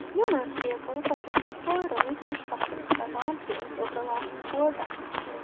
Numerous vehicles have been restored and reconstructed by volunteers over the last four decades.